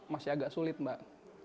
masih agak sulit mbak